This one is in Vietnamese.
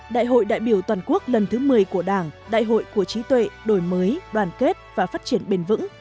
đại hội đại biểu toàn quốc lần thứ một mươi của đảng đại hội của trí tuệ đổi mới đoàn kết và phát triển bền vững